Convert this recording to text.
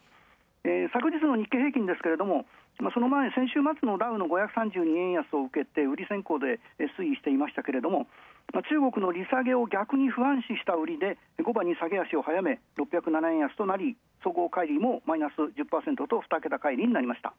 昨日の日経平均株価ですが、その前先週末のダウの５３２円安を受けて売り先行で推移していましたけれども中国の利下げを逆に不安視した売りで後場に下げ足を早め６０７円安となりマイナス１０％ふたけた乖離と。